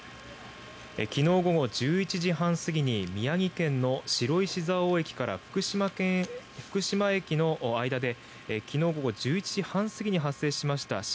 昨日午後１１時半過ぎに宮城県の白石蔵王駅から福島駅の間で昨日午後１１時半過ぎに発生しました